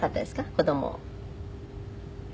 子供を。